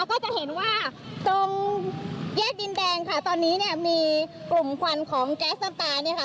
ก็จะเห็นว่าตรงแยกดินแดงค่ะตอนนี้เนี่ยมีกลุ่มควันของแก๊สน้ำตาเนี่ยค่ะ